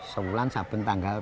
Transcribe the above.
sebulan sabun tanggal